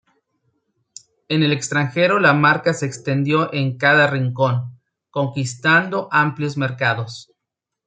En el extranjero la marca se extendió en cada rincón, conquistando amplios mercados.